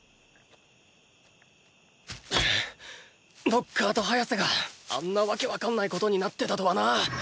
ノッカーとハヤセがあんな訳わかんないことになってたとはな。